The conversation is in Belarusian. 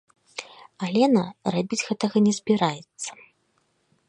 Алена, рабіць гэтага не збіраецца.